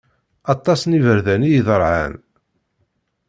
Aṭas n iberdan i iderɛen.